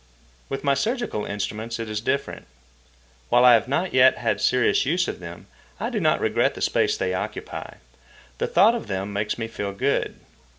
With my surgical instruments it is different. While I have not yet had serious use for them, I do not regret the space they occupy. The thought of them makes me feel good.